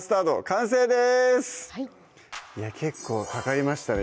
完成ですいや結構かかりましたね